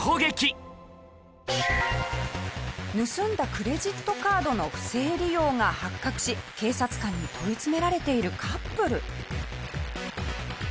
盗んだクレジットカードの不正利用が発覚し警察官に問い詰められているカップル。